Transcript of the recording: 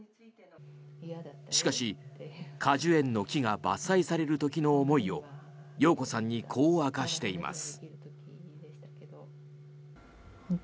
しかし、果樹園の木が伐採される時の思いを容子さんにこう明かしています。